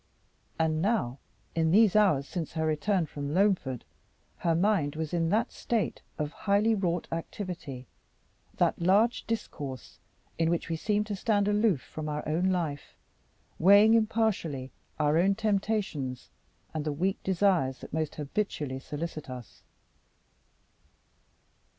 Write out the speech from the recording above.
And now, in these hours since her return from Loamford, her mind was in that state of highly wrought activity, that large discourse, in which we seem to stand aloof from our own life weighing impartially our own temptations and the weak desires that most habitually solicit us.